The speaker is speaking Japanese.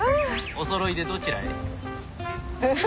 おそろいでどちらへ？